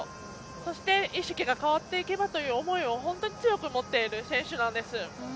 そして意識が変わっていけばという思いを強く持っている選手です。